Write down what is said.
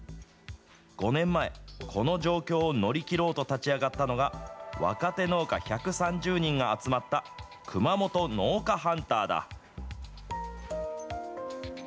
５年前、この状況を乗り切ろうと立ち上がったのが、若手農家１３０人が集まった、くまもと農家ハンターだ。